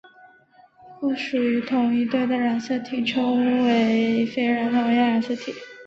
不属于同一对的染色体称为非同源染色体。